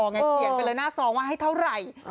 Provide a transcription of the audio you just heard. ไงเขียนไปเลยหน้าซองว่าให้เท่าไหร่